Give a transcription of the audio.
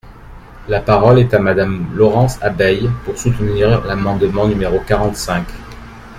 La parole est à Madame Laurence Abeille, pour soutenir l’amendement numéro quarante-cinq.